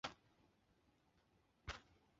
穆阿库尔。